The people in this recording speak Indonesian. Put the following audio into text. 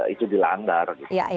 itu dilanggar gitu